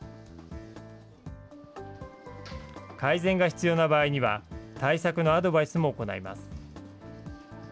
改善が必要な場合には、対策のアドバイスも行います。